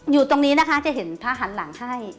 อยู่ตรงนี้นะคะจะเห็นพระหันหลังให้